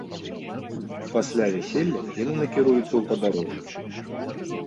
Пасля вяселля яны накіруюцца ў падарожжа.